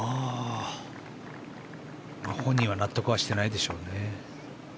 本人は納得はしてないでしょうね。